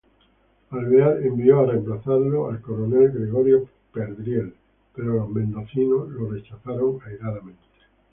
Alvear envió a reemplazarlo al coronel Gregorio Perdriel, pero los mendocinos lo rechazaron airadamente.